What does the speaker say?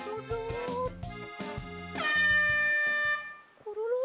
コロロ？